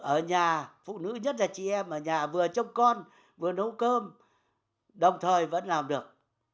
ở nhà phụ nữ nhất là chị em ở nhà vừa trông con vừa nấu cơm đồng thời vẫn làm được